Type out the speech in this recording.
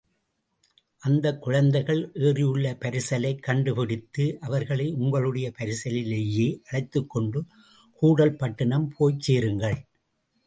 அந்தக் குழந்தைகள் ஏறியுள்ள பரிசலைக் கண்டுபிடித்து அவர்களை உங்களுடைய பரிசலிலேயே அழைத்துக்கொண்டு கூடல் பட்டணம் போய்ச் சேருங்கள்.